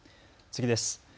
次です。